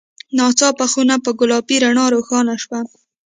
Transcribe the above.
ناڅاپه خونه په ګلابي رڼا روښانه شوه.